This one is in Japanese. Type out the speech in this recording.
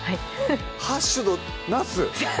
「ハッシュド」「なす」？